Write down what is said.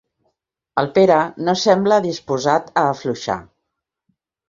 El Pere no sembla disposat a afluixar.